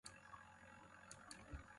انہ واریْ اورَڑ نی اِیا۔